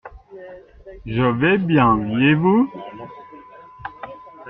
Je vais bien et vous ?